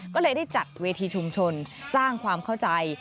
ก็เลยได้จัดเวทีชุมชนสร้างความเข้าใจ